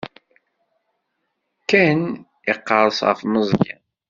Ken iqerres ɣef Meẓyan.